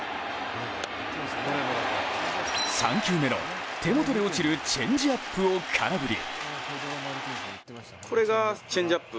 ３球目の、手元で落ちるチェンジアップを空振り。